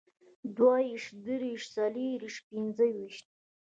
دوهويشت، دريويشت، څلرويشت، پينځهويشت